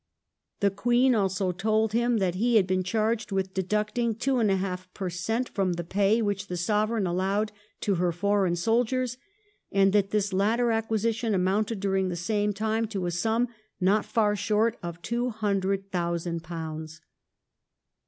The Queen also told him that he had been charged with deducting two and a half per cent, from the pay which the Sovereign allowed to her foreign soldiers, and that this latter acquisition amounted during the same time to a sum not far short of two hundred thousand pounds.